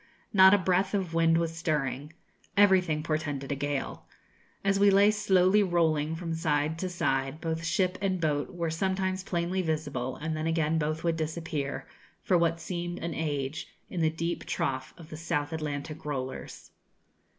Not a breath of wind was stirring. Everything portended a gale. As we lay slowly rolling from side to side, both ship and boat were sometimes plainly visible, and then again both would disappear, for what seemed an age, in the deep trough of the South Atlantic rollers.